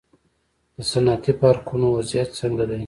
د صنعتي پارکونو وضعیت څنګه دی؟